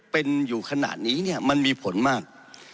เป็นอยู่ขนาดนี้เนี่ยมันมีผลมาก